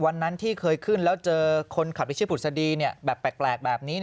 วันนั้นที่เคยขึ้นแล้วเจอคนขับที่ชื่อปุศดีแบบแปลกแบบนี้